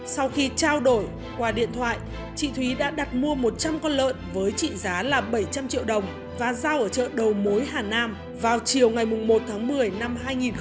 sau khi trao đổi qua điện thoại chị thúy đã đặt mua một trăm linh con lợn với trị giá là bảy trăm linh triệu đồng và giao ở chợ đầu mối hà nam vào chiều ngày một tháng một mươi năm hai nghìn một mươi bảy